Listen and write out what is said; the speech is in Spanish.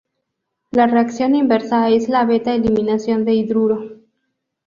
La reacción inversa es la beta eliminación de hidruro.